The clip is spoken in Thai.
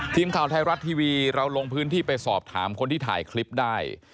ทีมข่าวไทยรัฐทีวีเราลงพื้นที่ไปสอบถามคนที่ถ่ายคลิปได้